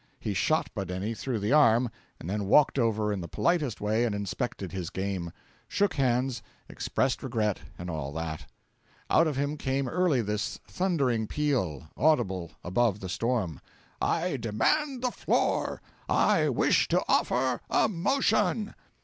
He shot Badeni through the arm and then walked over in the politest way and inspected his game, shook hands, expressed regret, and all that. Out of him came early this thundering peal, audible above the storm: 'I demand the floor. I wish to offer a motion.'